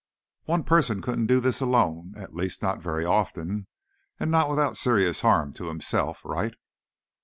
"One person couldn't do this alone, at least, not very often and not without serious harm to himself. Right?"